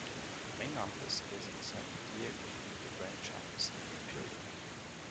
The main office is in San Diego, with a branch office in Imperial.